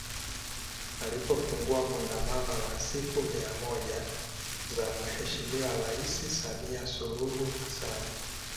Alipofungua Kongamano la siku mia moja za Mheshimiwa Rais Samia Suluhu Hassan